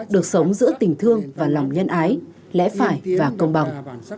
được sống giữa tình thương và lòng nhân ái lẽ phải và công bằng